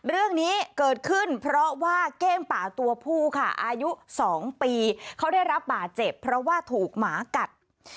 เรื่องนี้เกิดขึ้นเพราะว่าเก้งป่าตัวผู้ค่ะอายุ๒ปีเขาได้รับบาดเจ็บเพราะว่าถูกหมากัด